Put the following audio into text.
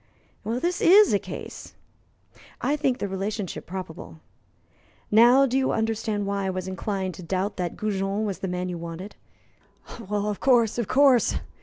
Well, this is a case." "I think the relationship probable. Now you understand why I was inclined to doubt that Goujon was the man you wanted." "Of course, of course!